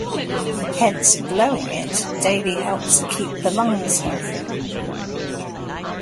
Hence, blowing it daily helps keep the lungs healthy.